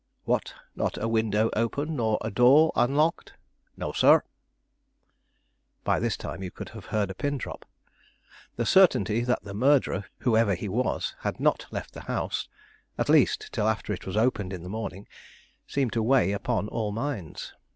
"What, not a window open nor a door unlocked?" "No, sir." By this time you could have heard a pin drop. The certainty that the murderer, whoever he was, had not left the house, at least till after it was opened in the morning, seemed to weigh upon all minds.